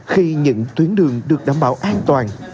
khi những tuyến đường được đảm bảo an toàn